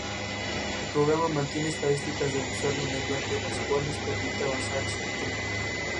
Su cuñado está convencido que "Santa es el hombre".